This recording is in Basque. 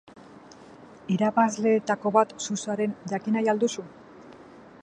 Irabazleetako bat zu zaren jakin nahi al duzu?